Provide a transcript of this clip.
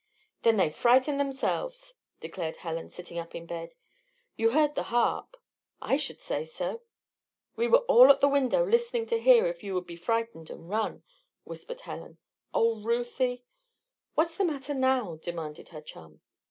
"Then they frightened themselves," declared Helen, sitting up in bed. "You heard the harp?" "I should say so!" "We were all at the window listening to hear if you would be frightened and run," whispered Helen. "Oh, Ruthie!" "What's the matter, now?" demanded her chum.